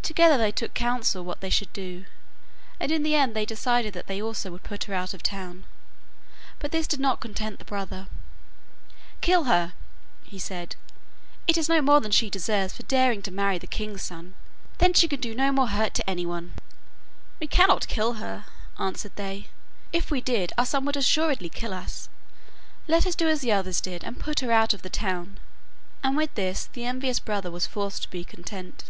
Together they took counsel what they should do, and in the end they decided that they also would put her out of the town. But this did not content the brother. 'Kill her,' he said. 'It is no more than she deserves for daring to marry the king's son. Then she can do no more hurt to anyone.' 'We cannot kill her,' answered they; 'if we did, our son would assuredly kill us. Let us do as the others did, and put her out of the town. And with this the envious brother was forced to be content.